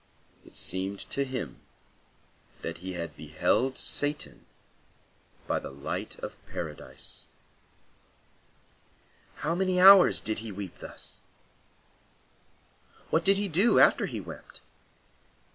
It seemed to him that he beheld Satan by the light of Paradise. How many hours did he weep thus? What did he do after he had wept?